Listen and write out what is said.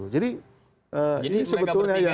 jadi ini sebetulnya yang